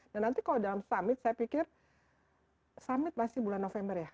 dan nanti kalau dalam summit saya pikir summit masih bulan november ya